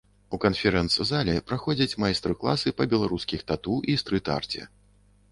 У канферэнц-зале праходзяць майстар-класы па беларускіх тату і стрыт-арце.